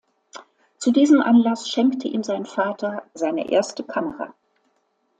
Zu diesem Anlass schenkte ihm sein Vater seine erste Kamera.